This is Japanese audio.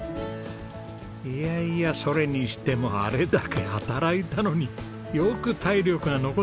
いやいやそれにしてもあれだけ働いたのによく体力が残ってますねえ。